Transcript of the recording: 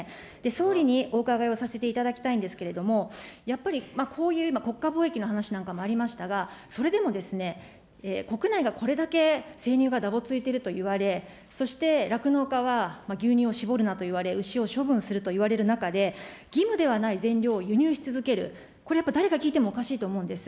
総理にお伺いをさせていただきたいんですけれども、やっぱりこういう今、国家貿易の話なんかもありましたが、それでも、国内がこれだけ生乳がだぼついているといわれ、そして酪農家は牛乳を搾るなといわれ、牛を処分するといわれる中で、義務ではない全量を輸入し続ける、これやっぱり、誰が聞いてもおかしいと思うんです。